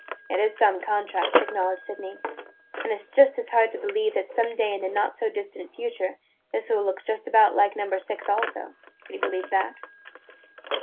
"It is some contrast!" acknowledged Sydney. "And it 's just as hard to believe that some day in the not far distant future this will look just about like Number Six also. Can you believe that?"